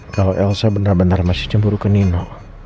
kalo elsa bener bener masih cemburu ke nino